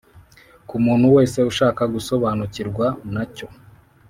ku muntu wese ushaka gusobanukirwa na cyo